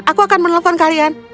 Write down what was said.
aku akan menelpon kalian